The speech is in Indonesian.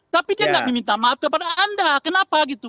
tapi saya tidak meminta maaf kepada anda kenapa gitu